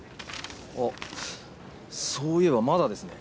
あっそういえばまだですね。